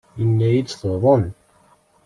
Yenna-iyi-d tuḍen.